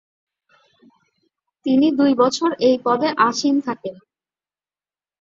তিনি দুই বছর এই পদে আসীন থাকেন।